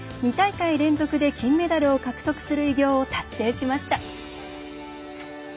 ２大会連続で金メダルを獲得する偉業を達成しました。